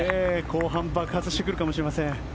後半爆発してくるかもしれません。